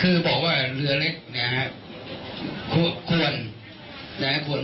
คือบอกว่าเรือเล็กเนี่ยครับ